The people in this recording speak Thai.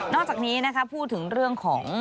อกจากนี้นะคะพูดถึงเรื่องของ